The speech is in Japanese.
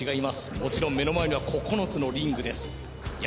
もちろん目の前には９つのリングですいや